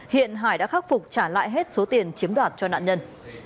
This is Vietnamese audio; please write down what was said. hiện hải đã khắc phục trả lại hết số tiền chiếm đoạt cho nạn nhân